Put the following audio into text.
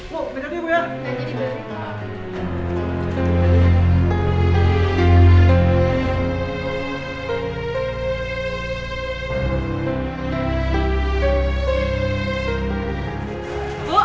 bu kejadian bu ya